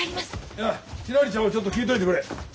いやひらりちゃんもちょっと聞いといてくれ。